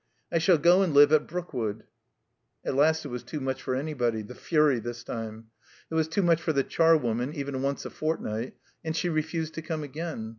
I shall go and live at Brookwood." At last it was too much for anybody (the fury, this time). It was too much for the charwoman, even once a fortnight, and she refused to come again.